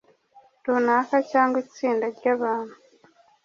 Runaka cyangwa itsinda ry abantu